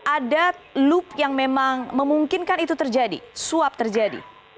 ada loop yang memang memungkinkan itu terjadi suap terjadi